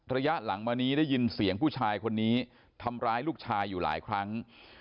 ระยะหลังมานี้ได้ยินเสียงผู้ชายคนนี้ทำร้ายลูกชายอยู่หลายครั้ง